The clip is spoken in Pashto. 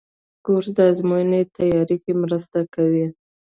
کورس د ازموینو تیاري کې مرسته کوي.